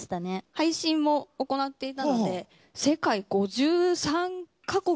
配信も行っていたので世界５３ヵ国。